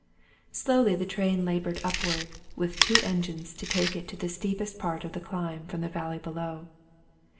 Slowly the train labored upward, with two engines to take it the steepest part of the climb from the valley below.